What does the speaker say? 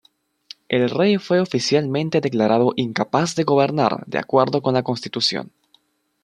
El Rey fue oficialmente declarado "incapaz de gobernar" de acuerdo con la Constitución.